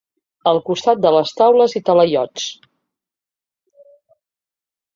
Al costat de les taules i talaiots.